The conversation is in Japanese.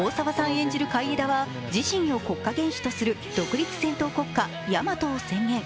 演じる海江田は自身を国家元首とする独立戦闘国家「やまと」を宣言。